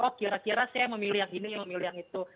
oh kira kira saya memilih yang ini yang itu